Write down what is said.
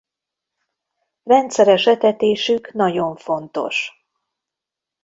Rendszeres etetésük nagyon fontos.